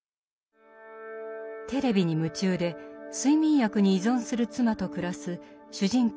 テレビに夢中で睡眠薬に依存する妻と暮らす主人公